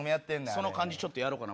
その感じちょっとやろうかな。